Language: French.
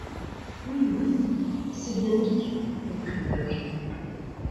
Oui. .. oui. .. c’est bien Nic ! reprit le berger.